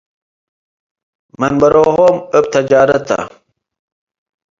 መንበሮሆም እብ ተጃረት ተ ።